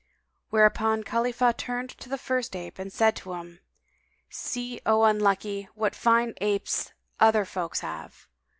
Whereupon Khalifah turned to the first ape and said to him, "See, O unlucky, what fine apes other folks have!